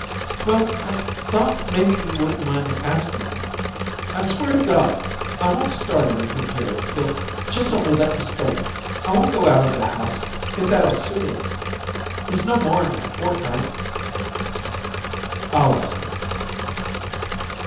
"Well, I thought maybe you wouldn't mind asking him. I swear to God I won't start anything here if he'll just only let me stay. I won't go out of the house if that'll suit him. It's no more'n a fortnight." "I'll ask him."